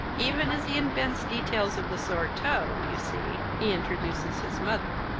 Even as he invents details of the sore toe, you see, he introduces his mother.